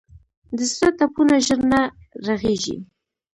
د زړه ټپونه ژر نه رغېږي.